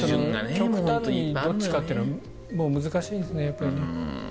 極端にどっちかというのは難しいですね、やっぱり。